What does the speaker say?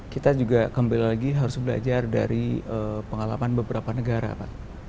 kita juga kembali lagi harus belajar dari pengalaman beberapa negara pak